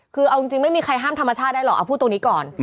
คือเอาจริงไม่มีใครห้ามธรรมชาติได้หรอกเอาพูดตรงนี้ก่อน